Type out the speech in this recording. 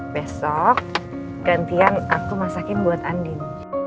besok gantian aku masakin buat andin